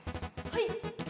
はい！